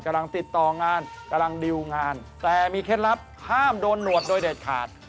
กำลังติดต่องานกำลังดิวงานแต่มีเคล็ดลับห้ามโดนหนวดโดยเด็ดขาด